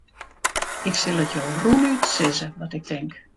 Ik sil it jo rûnút sizze wat ik tink.